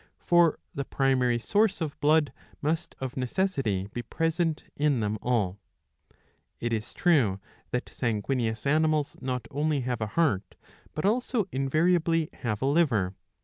For the primary source of blood must of necessity be present in them all. It is true that sanguineous animals not only have a heart but also invariably have a liver.